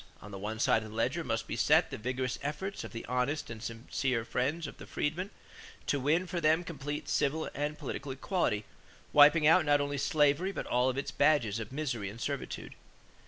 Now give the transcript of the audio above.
On the one side of the ledger must be set the vigorous efforts of the honest and sincere friends of the freedmen to win for them complete civil and political equality, wiping out not only slavery but all its badges of misery and servitude.